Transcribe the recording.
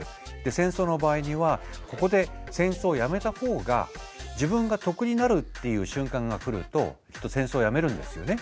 戦争の場合にはここで戦争をやめた方が自分が得になるっていう瞬間が来るときっと戦争をやめるんですよね。